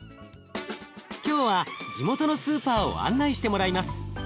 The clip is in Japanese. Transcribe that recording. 今日は地元のスーパーを案内してもらいます。